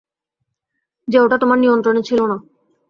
যে ওটা তোমার নিয়ন্ত্রণে ছিল না।